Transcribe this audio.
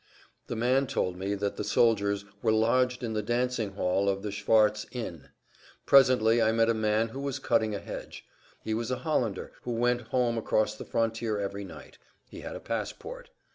The man told me that the soldiers were lodged in the dancing hall of the Schwarz Inn. Presently I met a man who was cutting a hedge. He was a Hollander who went home across the frontier every night; he had a passport.